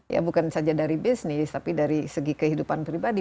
ya bukan saja dari bisnis tapi dari segi kehidupan pribadi